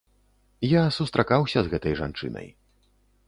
Я сустракаўся з гэтай жанчынай.